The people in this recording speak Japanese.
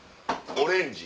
オレンジ。